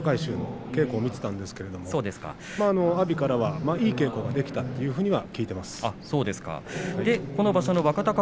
私は錣山部屋で下の若い衆の稽古を見ていたんですけれど阿炎からはいい稽古ができたというふうには聞いています。